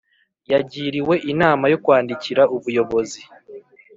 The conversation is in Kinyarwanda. Yagiriwe inama yo kwandikira ubuyobozi